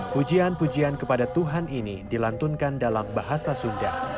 pujian pujian kepada tuhan ini dilantunkan dalam bahasa sunda